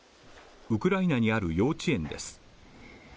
ウクライナにある幼稚園です。